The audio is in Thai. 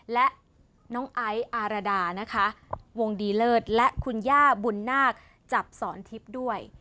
และน้องไอซ์อารดานะคะวงดีเลิศและคุณย่าบุญนาคจับสอนทิพย์ด้วย